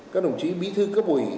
các đồng chí bí thư cấp ủy